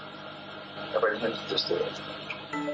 やっぱり日本人として。